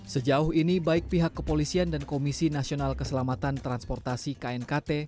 sejauh ini baik pihak kepolisian dan komisi nasional keselamatan transportasi knkt